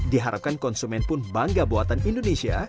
diharapkan konsumen pun bangga buatan indonesia